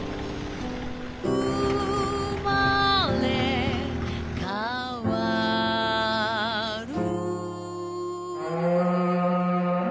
「うまれかわる」